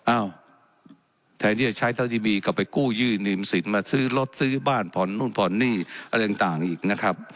อ้าวแทนที่จะใช้เท่าที่มีกลับไปกู้ยื่นนิมสินมาซื้อรถซื้อบ้านผ่อนนู่นผ่อนหนี้อะไรต่างอีกนะครับ